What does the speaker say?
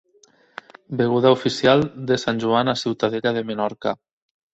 Beguda oficial de sant Joan a Ciutadella de Menorca.